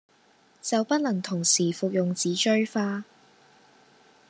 就不能同時服用紫錐花